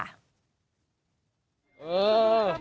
เออ